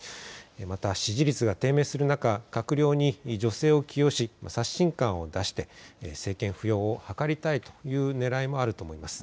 また支持率が低迷する中、閣僚に女性を起用し刷新感を出して政権浮揚を図りたいというねらいもあると思います。